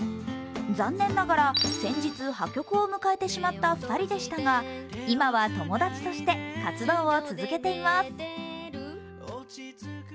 残念ながら先日破局を迎えてしまった２人ですが今は友達として活動は続けています。